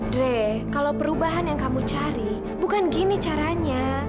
dre kalau perubahan yang kamu cari bukan gini caranya